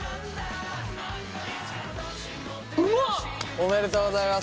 おめでとうございます。